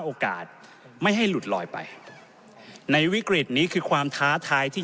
โอกาสไม่ให้หลุดลอยไปในวิกฤตนี้คือความท้าทายที่